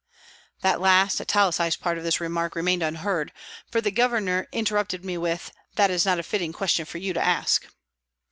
" The last italicised part of this remark remained unheard, for the Governor inter rupted me with " That is not a fitting question for you to ask."